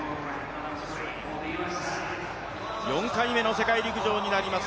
４回目の世界陸上になります